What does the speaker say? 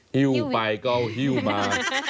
ฮิ้วไปก็หิ้วมา